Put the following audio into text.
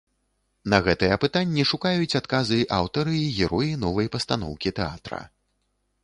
На гэтыя пытанні шукаюць адказы аўтары і героі новай пастаноўкі тэатра.